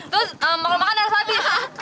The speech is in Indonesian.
terus makanan makanan rasmi